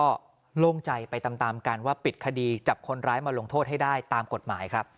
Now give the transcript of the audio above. ก็โล่งใจไปตามกันว่าปิดคดีจับคนร้ายมาลงโทษให้ได้ตามกฎหมายครับ